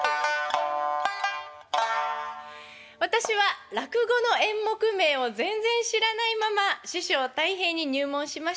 私は落語の演目名を全然知らないまま師匠たい平に入門しました。